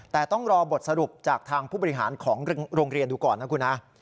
แต่ต้องรอบทสรุปจากทางผู้บริหารของโรงเรียนดูก่อนนะคุณฮะ